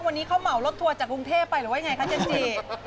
วันนี้เขาเหมารถทัวร์จากกรุงเทพไปหรือว่ายังไงคะเจนจี